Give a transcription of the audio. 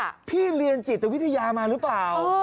สำคัญคือพี่เรียนจิตวิทยามาหรือเปล่า